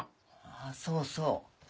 ああそうそう。